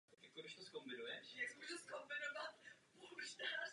Formu však do olympijských her neudržel a skončil ve druhém kole.